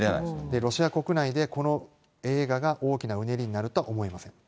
ロシア国内で、この映画が大きなうねりになるとは思えません。